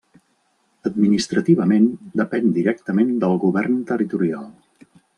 Administrativament depèn directament del govern territorial.